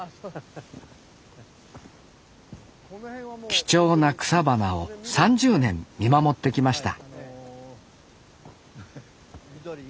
貴重な草花を３０年見守ってきました